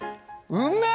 うめえ！